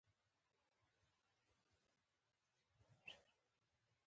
بولي مجرا تشې بولې له مثانې څخه بهر باسي.